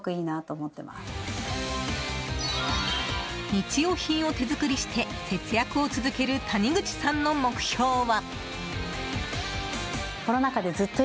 日用品を手作りして節約を続ける谷口さんの目標は。